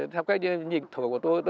theo cách nhìn thổi của tôi